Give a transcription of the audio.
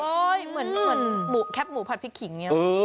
เฮ้ยเหมือนแคบหมูผัดพริกขิงอย่างนี้